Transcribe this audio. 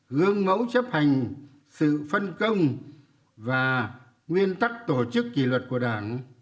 gương mẫu chấp hành sự phân công và nguyên tắc tổ chức kỷ luật của đảng